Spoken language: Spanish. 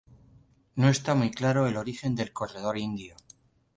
No está muy claro el origen del corredor indio.